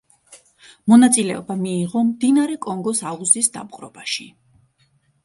მონაწილეობა მიიღო მდინარე კონგოს აუზის დაპყრობაში.